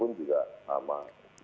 hubungan internasional pun sama